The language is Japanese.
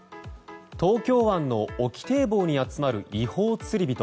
東京湾の沖堤防に集まる違法釣り人。